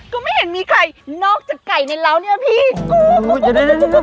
ก็ไม่เห็นมีใครนอกจากไก่ในร้าวเนี่ยพี่โอ้ยอย่าอย่า